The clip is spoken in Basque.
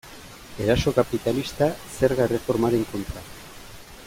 Eraso kapitalista zerga erreformaren kontra.